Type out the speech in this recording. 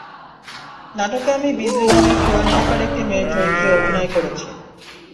নাটকে আমি বিজলী নামে পুরান ঢাকার একটি মেয়ের চরিত্রে অভিনয় করেছি।